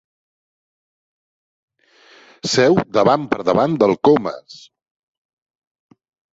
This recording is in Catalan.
Seu davant per davant del Comas.